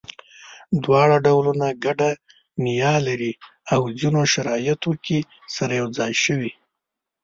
دواړه ډولونه ګډه نیا لري او ځینو شرایطو کې سره یو ځای شوي.